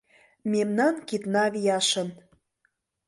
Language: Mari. Мемнан кидна вияшын